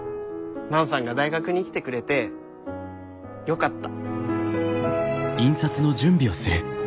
万さんが大学に来てくれてよかった。